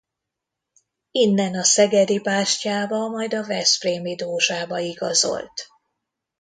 Innen a Szegedi Bástyába majd a Veszprémi Dózsába igazolt.